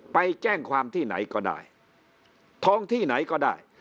ไปแจ้งความที่ไหนก็ได้ท้องที่ไหนก็ได้